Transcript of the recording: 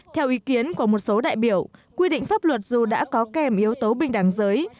theo ý kiến của một số đại biểu quy định pháp luật dù đã có kèm yếu tố bình đẳng giới